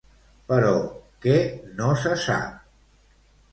Però, què no se sap?